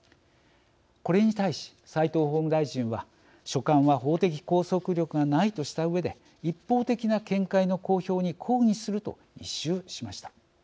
これに対し、齋藤法務大臣は書簡は法的拘束力がないとしたうえで一方的な見解の公表に抗議すると一蹴しました。